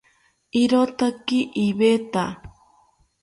Irotaki iveta